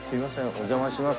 お邪魔します。